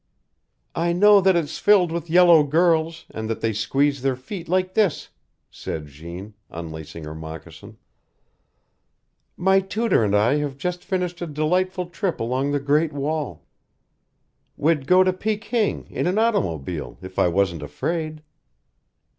"I know that it's filled with yellow girls, and that they squeeze their feet like this," said Jeanne, unlacing her moccasin. "My tutor and I have just finished a delightful trip along the Great Wall. We'd go to Peking, in an automobile, if I wasn't afraid."